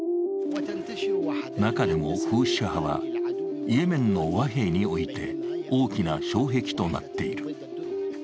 中でもフーシ派は、イエメンの和平において大きな障壁となっている。